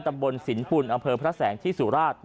ตำบลสินปุ่นอำเภอพระแสงที่สุราช